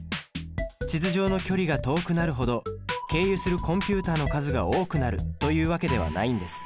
地図上の距離が遠くなるほど経由するコンピュータの数が多くなるというわけではないんです。